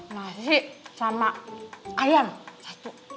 nasi sama ayam satu